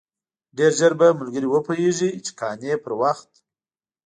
ډېر ژر به ملګري وپوهېږي چې قانع پر وخت.